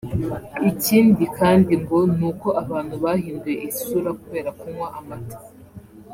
Ikindi kandi ngo ni uko abantu bahinduye isura kubera kunywa amata